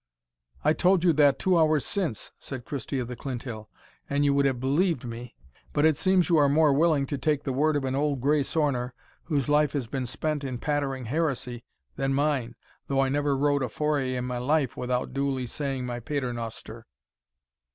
"I told you that two hours since," said Christie of the Clinthill, "an you would have believed me. But it seems you are more willing to take the word of an old gray sorner, whose life has been spent in pattering heresy, than mine, though I never rode a foray in my life without duly saying my paternoster."